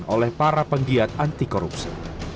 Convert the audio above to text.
oleh para penggiat anti korupsi